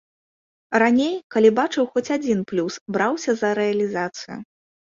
Раней, калі бачыў хоць адзін плюс, браўся за рэалізацыю.